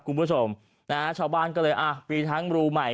คุณผู้ชมนะฮะชาวบ้านก็เลยอ่ะมีทั้งรูใหม่